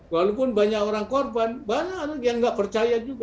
walaupun banyak orang korban banyak anak yang nggak percaya juga